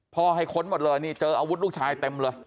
ให้ค้นหมดเลยนี่เจออาวุธลูกชายเต็มเลย